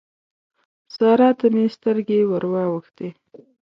سارا ته مې سترګې ور واوښتې.